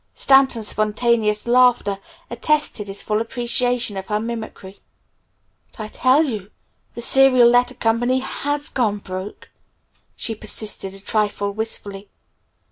Stanton's spontaneous laughter attested his full appreciation of her mimicry. "But I tell you the Serial Letter Co. has 'gone broke'!" she persisted a trifle wistfully.